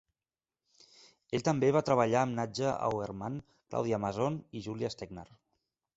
Ell també va treballar amb Nadja Auermann, Claudia Mason i Julia Stegner.